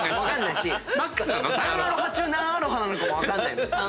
何アロハ中何アロハなのかも分かんない。